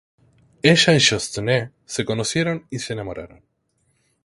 Ella y Yoshitsune se conocieron y se enamoraron.